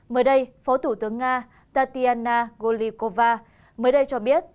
mới đây phó thủ tướng nga tatiana golikova mới đây cho biết